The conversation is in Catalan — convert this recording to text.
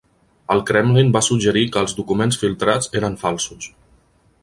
El Kremlin va suggerir que els documents filtrats eren falsos.